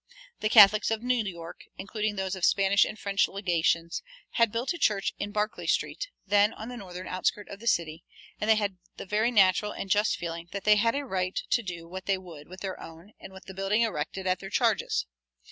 The Catholics of New York, including those of the Spanish and French legations, had built a church in Barclay Street, then on the northern outskirt of the city; and they had the very natural and just feeling that they had a right to do what they would with their own and with the building erected at their charges.